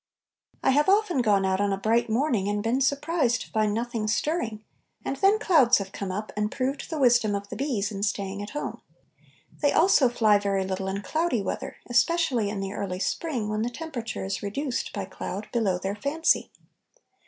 I have often gone out on a bright morning and been surprised to find nothing stirring, and then clouds have come up and proved the wisdom of the bees in staying at home. They also fly very little in cloudy weather, especially in the early spring, when the temperature is reduced by cloud below their fancy.